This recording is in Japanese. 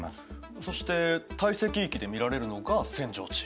そして堆積域で見られるのが扇状地。